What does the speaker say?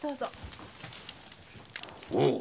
おう！